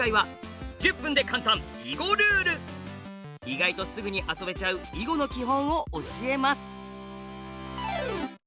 意外とすぐに遊べちゃう囲碁の基本を教えます。